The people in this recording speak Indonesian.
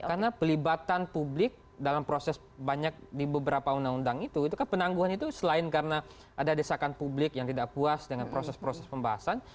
karena pelibatan publik dalam proses banyak di beberapa undang undang itu itu kan penangguhan itu selain karena ada desakan publik yang tidak puas dengan proses proses pembahasan